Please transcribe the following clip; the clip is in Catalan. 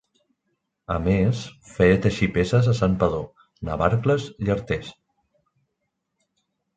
A més, feia teixir peces a Santpedor, Navarcles i Artés.